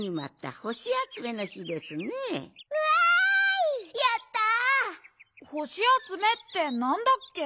ほしあつめってなんだっけ？